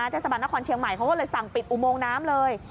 เทศบาลนครเชียงใหม่เขาก็เลยสั่งปิดอุโมงน้ำเลย